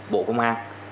bộ công an